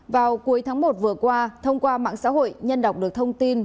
vào cuối tháng một vừa qua thông qua mạng xã hội nhân đọc được thông tin